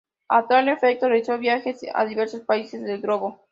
A tal efecto realizó viajes a diversos países del globo.